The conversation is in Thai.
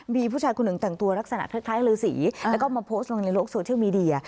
มีผู้ชายคนหนึ่งแต่งตัวลักษณะคล้ายลือสีแล้วก็มาโพสต์ลงในโลกโซเชียลมีเดีย